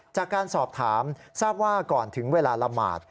จากการสอบถามทราบว่าก่อนถึงเวลาละหมาด